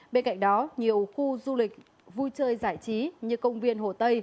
bên cạnh đó nhiều khu du lịch vui chơi giải trí như công viên hồn